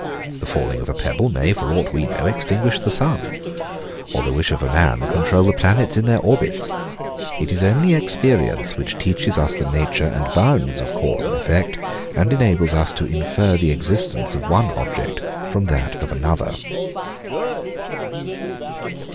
The falling of a pebble may, for aught we know, extinguish the sun; or the wish of a man control the planets in their orbits. It is only experience, which teaches us the nature and bounds of cause and effect, and enables us to infer the existence of one object from that of another.